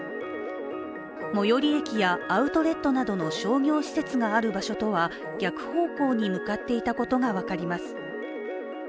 最寄り駅やアウトレットなどの商業施設がある場所とは逆方向に向かっていたことが分かります。